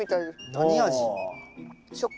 何味？